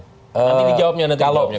nanti dijawabnya nanti dijawabnya